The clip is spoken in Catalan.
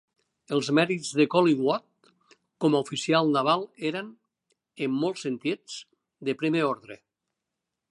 Els mèrits de Collingwood com a oficial naval eren, en molts sentits, de primer ordre.